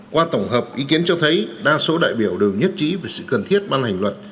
qua tổng hợp ý kiến cho thấy đa số đại biểu đều nhất trí về sự cần thiết ban hành luật